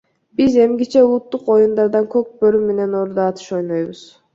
Биз эмгиче улуттук оюндардан көк бөрү менен ордо атыш ойнойбуз.